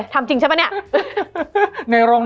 มันทำให้ชีวิตผู้มันไปไม่รอด